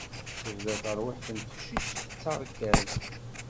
Tebda terwiḥt n teqcict tettarkad.